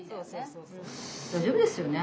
大丈夫ですよね？